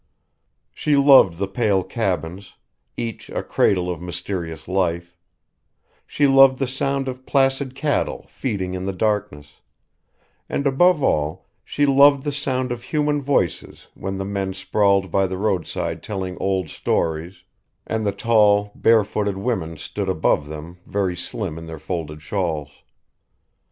She loved the pale cabins, each a cradle of mysterious life; she loved the sound of placid cattle feeding in the darkness, and above all she loved the sound of human voices when the men sprawled by the roadside telling old stories, and the tall, barefooted women stood above them very slim in their folded shawls.